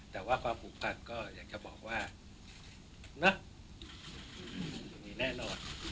แต่ว่าความผูกพันก็อยากจะบอกว่านะมีแน่นอน